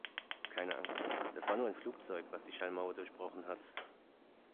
Keine Angst, das war nur ein Flugzeug, was die Schallmauer durchbrochen hat.